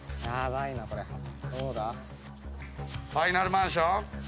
ファイナルマンション。